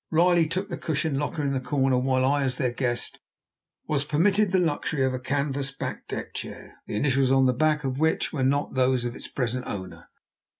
Riley took the cushioned locker in the corner, while I, as their guest, was permitted the luxury of a canvas backed deck chair, the initials on the back of which were not those of its present owner.